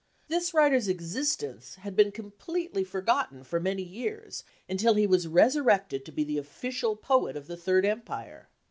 r This writer's existence — had been completely forgotten for many years until he was resurrected to be the official poet of the " Third Empire."